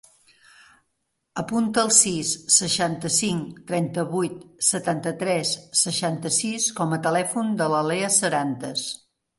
Apunta el sis, seixanta-cinc, trenta-vuit, setanta-tres, seixanta-sis com a telèfon de la Leah Serantes.